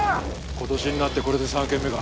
今年になってこれで３軒目か。